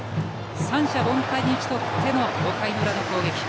三者凡退に打ち取っての５回の裏の攻撃。